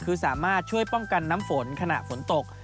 คือสามารถช่วยป้องกันน้ำฝนขณะฝนตก